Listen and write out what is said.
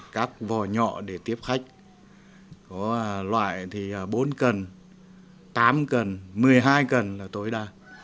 một mươi hai cần là tối đa